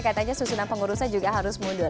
katanya susunan pengurusnya juga harus mundur